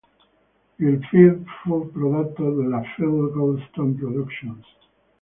Il film fu prodotto dalla Phil Goldstone Productions.